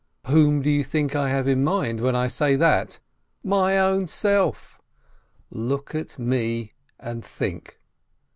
Whom do you think I have in mind when I say that ? My own self ! Look at me and think.